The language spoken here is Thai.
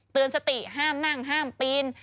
สติห้ามนั่งห้ามปีน